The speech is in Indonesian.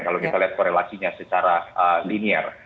kalau kita lihat korelasinya secara linier